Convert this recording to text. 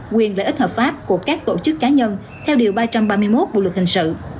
quyền lợi ích hợp pháp của các tổ chức cá nhân theo điều ba trăm ba mươi một bộ luật hình sự